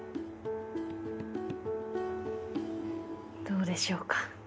どうでしょうか？